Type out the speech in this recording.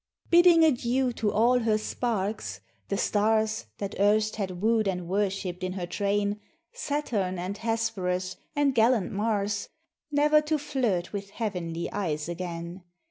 Bidding adieu to all her sparks the stars, That erst had woo'd and worshipp'd in her train, Saturn and Hesperus, and gallant Mars Never to flirt with heavenly eyes again.